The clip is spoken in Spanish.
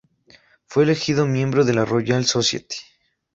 Fue elegido miembro de la Royal Society.